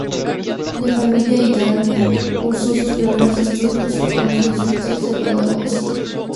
De familia hidalga, cursó sus primeros estudios con los jesuitas de Badajoz.